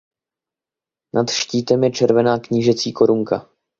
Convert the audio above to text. Nad štítem je červená knížecí korunka.